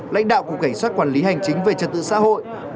lãnh đạo cục cảnh sát quản lý hành chính về trật tự xã hội